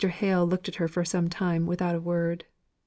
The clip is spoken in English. Hale looked at her for some time without a word.